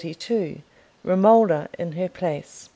Romola in her Place.